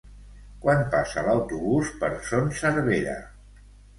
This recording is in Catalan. Quan passa l'autobús per Son Servera?